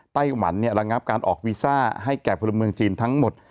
ไต้หวันระงับการออกวีซ่าให้แก่พลเมืองจีนทั้งหมด